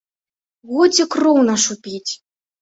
Годзе кроў нашу піць!